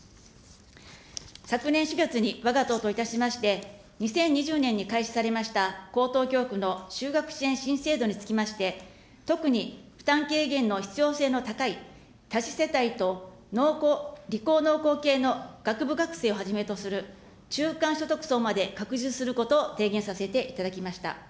昨年４月にわが党といたしまして、２０２０年に開始されました高等教育の就学支援新制度につきまして、特に負担軽減の必要性の高い、多子世帯と理工農工系の学部学生をはじめとする中間所得層まで拡充することを提言させていただきました。